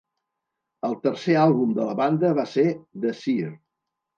El tercer àlbum de la banda va ser "The Seer".